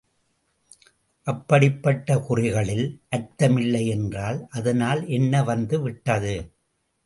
அப்படிப்பட்ட குறிகளில் அர்த்தமில்லை என்றால் அதனால் என்ன வந்து விட்டது.